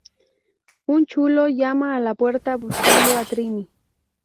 Un chulo llama a la puerta, buscando a Trini.